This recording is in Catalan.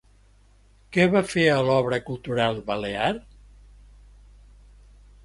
Què va fer a l'Obra Cultural Balear?